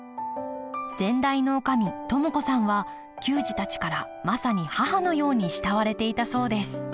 先代の女将智子さんは球児たちからまさに母のように慕われていたそうです